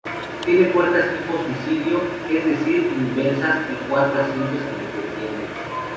Tiene puertas tipo suicidio, es decir inversas y cuatro asientos independientes.